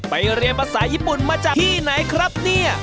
เรียนภาษาญี่ปุ่นมาจากที่ไหนครับเนี่ย